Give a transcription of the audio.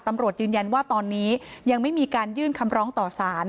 ตำรวจยืนยันว่าตอนนี้ยังไม่มีการยื่นคำร้องต่อสาร